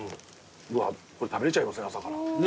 これ食べれちゃいますね朝から。